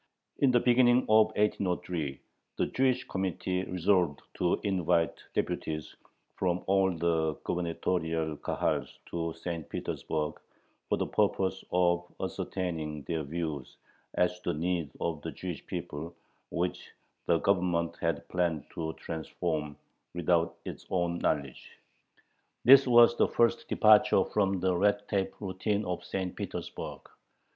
In the beginning of 1803, the "Jewish Committee" resolved to invite deputies from all the gubernatorial Kahals to St. Petersburg for the purpose of ascertaining their views as to the needs of the Jewish people, which the Government had planned to "transform" without its own knowledge. This was the first departure from the red tape routine of St. Petersburg.